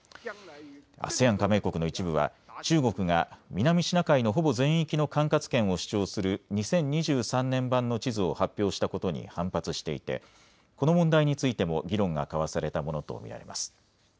ＡＳＥＡＮ加盟国の一部は中国が南シナ海のほぼ全域の管轄権を主張する２０２３年版の地図を発表したことに反発していてこの問題についても議論が交わされたものと見られます。